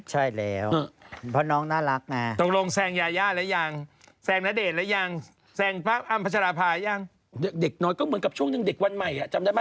ใช่แล้วเพราะน้องน่ารักไง